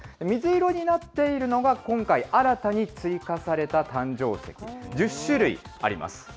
水色になっているのが今回新たに追加された誕生石、１０種類あります。